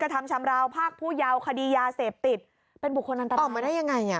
ทำชำราวภาคผู้เยาวคดียาเสพติดเป็นบุคคลอันตรายออกมาได้ยังไงอ่ะ